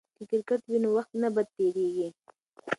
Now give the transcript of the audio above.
که کرکټ وي نو وخت نه بد تیریږي.